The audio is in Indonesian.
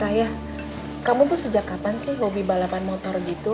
raya kamu tuh sejak kapan sih hobi balapan motor gitu